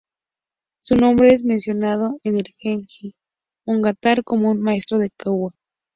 Su nombre es mencionado en el "Genji Monogatari" como un maestro del "waka".